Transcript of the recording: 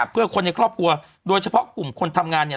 เพื่อคนในครอบครัวโดยเฉพาะกลุ่มคนทำงานเนี่ย